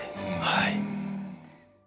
はい。